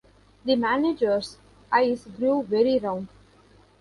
The manager's eyes grew very round.